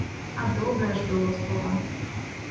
А добрае ж было слова.